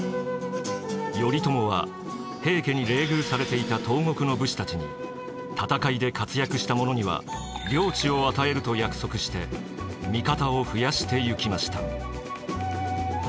頼朝は平家に冷遇されていた東国の武士たちに戦いで活躍した者には領地を与えると約束して味方を増やしてゆきました。